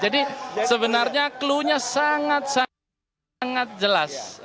jadi sebenarnya cluenya sangat sangat jelas